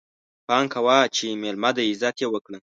پام کوه چې ميلمه دی، عزت يې وکړه!